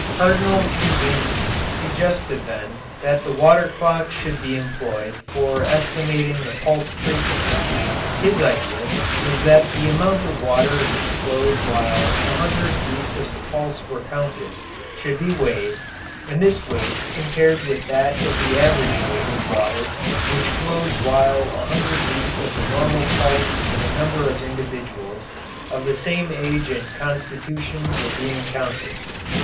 Cardinal Cusanus suggested then that the water clock should be employed for estimating the pulse frequency. His idea was that the amount of water which flowed while a hundred beats of the pulse were counted, should be weighed, and this weight compared with that of the average weight of water which flowed while a hundred beats of the normal pulse of a number of individuals of the same age and constitution were being counted.